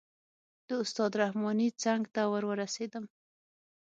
د استاد رحماني څنګ ته ور ورسېدم.